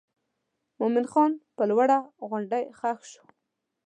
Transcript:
مومن خان پر لوړه غونډۍ ښخ شو.